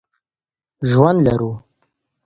ژوند لرو.